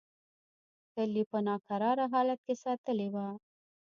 تل یې په ناکراره حالت کې ساتلې وه.